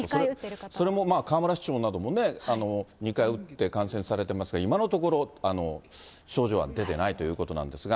それも河村市長なども２回打って感染されてますが、今のところ、症状は出てないということなんですが。